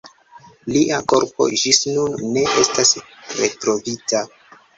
Lia korpo ĝis nun ne estas retrovita.